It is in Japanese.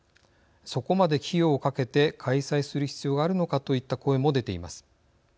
そこまで費用をかけて開催する必要があるのかといった声も出ています。